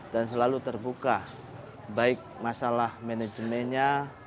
dan selalu terbuka baik masalah manajemennya